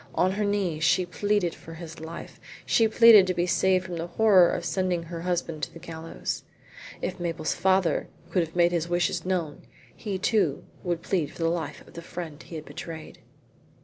On her knees she pleaded for his life; she pleaded to be saved from the horror of sending her husband to the gallows. If Mabel's father could make his wishes known he too would plead for the life of the friend he had betrayed.